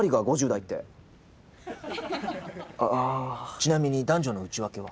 ちなみに男女の内訳は？